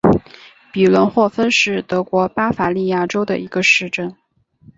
皮伦霍芬是德国巴伐利亚州的一个市镇。